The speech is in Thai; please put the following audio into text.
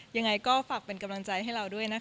ยังไงก็ฝากเป็นกำลังใจให้เราด้วยนะคะ